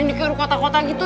yang di kiri kota kota gitu